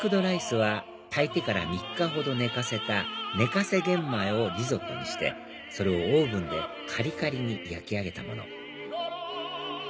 ライスは炊いてから３日ほど寝かせた寝かせ玄米をリゾットにしてそれをオーブンでカリカリに焼き上げたもの